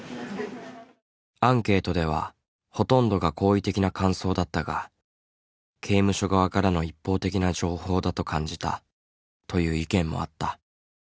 アンケートではほとんどが好意的な感想だったが「刑務所側からの一方的な情報だと感じた」という意見もあった。